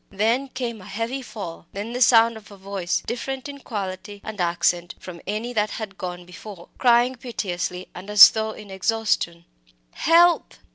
Then came a heavy fall then the sound of a voice, different in quality and accent from any that had gone before, crying piteously and as though in exhaustion "Help!"